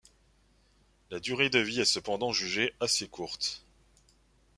La durée de vie est cependant jugée assez courte.